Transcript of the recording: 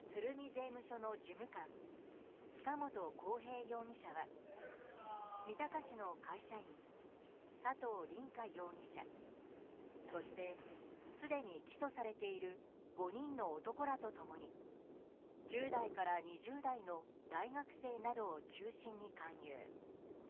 税務署の事務官塚本晃平容疑者は三鷹市の会社員佐藤凜果容疑者そして、すでに起訴されている５人の男らと共に１０代から２０代の大学生などを中心に勧誘。